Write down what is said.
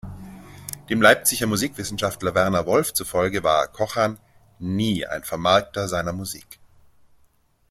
Dem Leipziger Musikwissenschaftler Werner Wolf zufolge war Kochan „nie ein Vermarkter seiner Musik“.